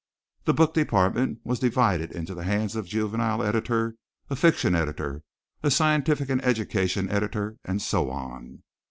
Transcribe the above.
The book department was divided into the hands of a juvenile editor, a fiction editor, a scientific and educational editor and so on.